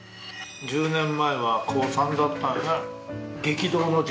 １０年前は高３だったよね。